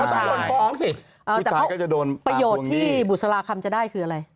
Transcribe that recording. ผู้ชายเขาจะโดนอาวางวงตรงนี้ผู้ชายก็จะโดนประโยชน์ที่บุษราคำจะได้คืออะไร